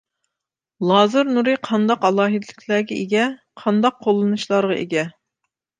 لازېر نۇرى قانداق ئالاھىدىلىكلەرگە ئىگە؟ قانداق قوللىنىشلارغا ئىگە؟